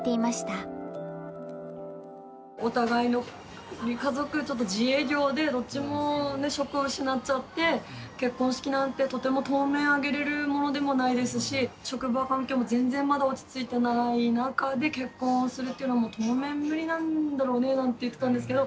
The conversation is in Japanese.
お互いの家族ちょっと自営業でどっちもねっ職を失っちゃって結婚式なんてとても当面挙げれるものでもないですし職場環境も全然まだ落ち着いてない中で結婚するっていうのはもう当面無理なんだろうねなんて言ってたんですけど。